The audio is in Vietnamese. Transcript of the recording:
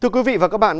thưa quý vị và các bạn